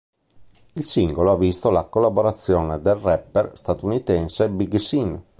Il singolo ha visto la collaborazione del rapper statunitense Big Sean.